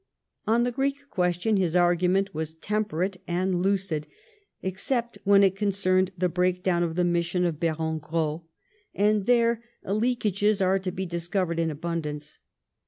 On the Greek question his ai'gument was temperate and lucid, except when it concerned the breakdown of the mission of Baron Gros, and there leakages are to be discovered in abundance.